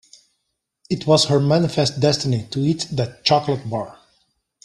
It was her manifest destiny to eat that chocolate bar.